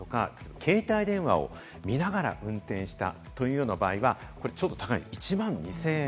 携帯電話を見ながら運転したというような場合は、ちょっと高くて１万２０００円、